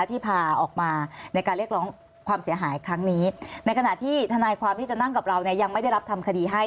ที่พาออกมาในการเรียกร้องความเสียหายครั้งนี้ในขณะที่ทนายความที่จะนั่งกับเราเนี่ยยังไม่ได้รับทำคดีให้